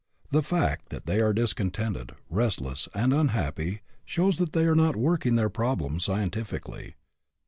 The fact that they are discontented, restless, and unhappy, shows that they are not working their problem scientifically.